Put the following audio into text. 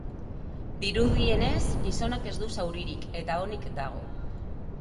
Dirudienez, gizonak ez du zauririk, eta onik dago.